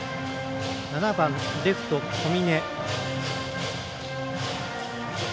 ７番レフト、小峰。